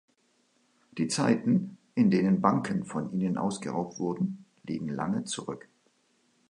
Die Zeiten, in denen Banken von ihnen ausgeraubt wurden, liegen lange zurück.